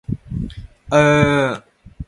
He's accepted responsibility.